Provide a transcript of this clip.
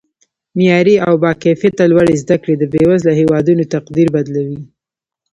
معیاري او با کیفته لوړې زده کړې د بیوزله هیوادونو تقدیر بدلوي